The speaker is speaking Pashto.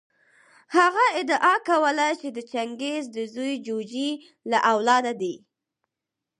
هغه ادعا کوله چې د چنګیز د زوی جوجي له اولاده دی.